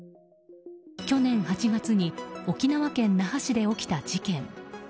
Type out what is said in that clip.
去年８月に沖縄県那覇市で起きた事件。